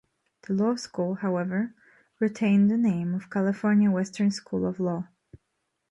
The law school, however, retained the name of California Western School of Law.